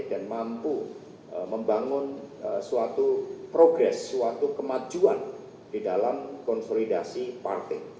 dan mampu membangun suatu progres suatu kemajuan di dalam konsolidasi partai